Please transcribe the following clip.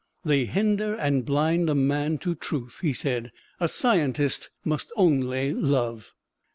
"They hinder and blind a man to truth," he said "a scientist must only love."